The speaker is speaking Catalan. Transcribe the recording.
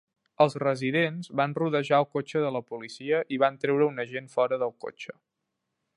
Els residents van rodejar el cotxe de la policia i van treure un agent fora del cotxe.